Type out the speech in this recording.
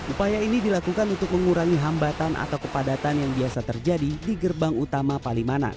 upaya ini dilakukan untuk mengurangi hambatan atau kepadatan yang biasa terjadi di gerbang utama palimanan